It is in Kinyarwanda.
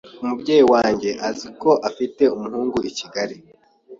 umubyeyi wanjye azi ko afite umuhungu i Kigali